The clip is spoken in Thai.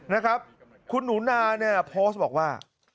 นะครับคุณหนูนาเนี่ยโพสต์บอกว่า